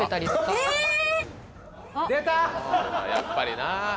やっぱりな。